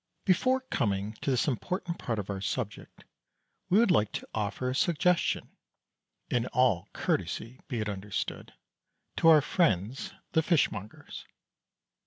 _ Before coming to this important part of our subject, we would like to offer a suggestion (in all courtesy, be it understood) to our friends the fishmongers.